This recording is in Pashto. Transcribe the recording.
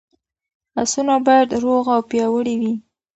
اسونه باید روغ او پیاوړي وي.